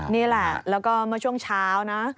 นี่แหละแล้วก็เมื่อช่วงเช้านะ